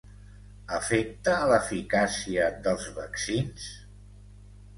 Afecta l’eficàcia dels vaccins?